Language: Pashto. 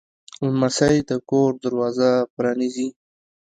لمسی د کور دروازه پرانیزي.